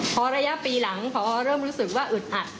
พอระยะปีหลังพอเริ่มรู้สึกว่าอึดอัด